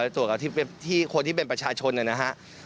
ตรวจกับที่คนที่เป็นประชาชนนะครับ